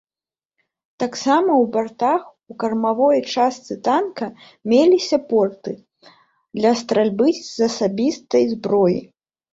Таксама ў бартах у кармавой частцы танка меліся порты для стральбы з асабістай зброі.